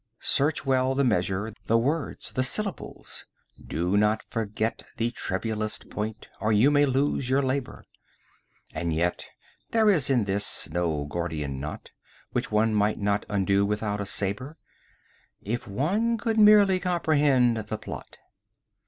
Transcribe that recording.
Search well the measure The word the syllables. Do not forget The trivialest point, or you may lose your labor: And yet there is in this no Gordian knot 10 Which one might not undo without a sabre, If one could merely comprehend the plot.